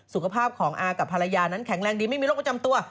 สุขภาพของอากับภรรยานั้นแข็งแรงดีไม่มีโรคประจำตัว